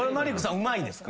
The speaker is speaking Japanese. うまいですか？